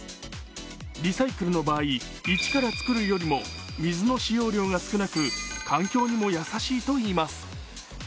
リサイクルの場合一から作るよりも水の使用量が少なく、環境にも優しいといいます。